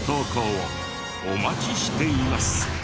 お待ちしています。